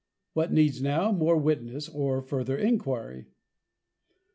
What needs now more witness or further Enquiry?